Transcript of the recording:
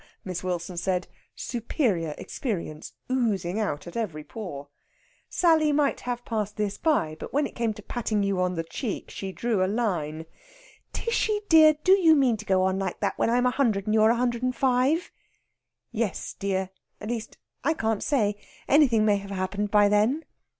Miss Wilson said, superior experience oozing out at every pore. Sally might have passed this by, but when it came to patting you on the cheek, she drew a line. "Tishy dear, do you mean to go on like that, when I'm a hundred and you are a hundred and five?" "Yes, dear. At least, I can't say. Anything may have happened by then."